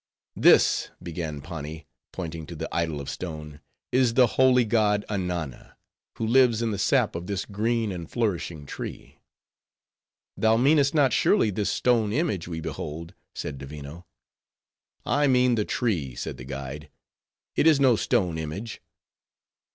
"This," began Pani, pointing to the idol of stone, "is the holy god Ananna who lives in the sap of this green and flourishing tree." "Thou meanest not, surely, this stone image we behold?" said Divino. "I mean the tree," said the guide. "It is no stone image."